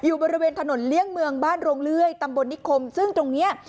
บริเวณถนนเลี่ยงเมืองบ้านโรงเลื่อยตำบลนิคมซึ่งตรงนี้